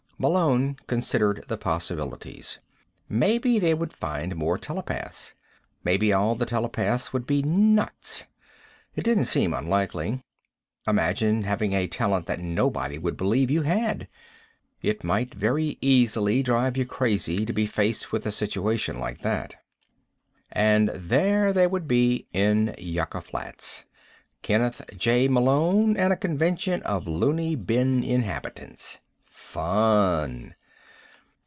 Malone considered the possibilities. Maybe they would find more telepaths. Maybe all the telepaths would be nuts. It didn't seem unlikely. Imagine having a talent that nobody would believe you had. It might very easily drive you crazy to be faced with a situation like that. And there they would be in Yucca Flats. Kenneth J. Malone, and a convention of looney bin inhabitants. Fun!